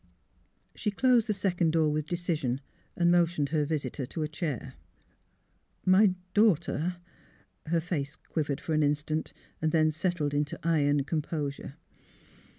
She closed the second door with decision and motioned her visitor to a chair. " My daughter " Her face quivered for an instant, then settled into iron composure.